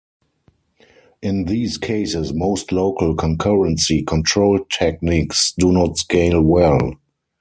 In these cases most local concurrency control techniques do not scale well.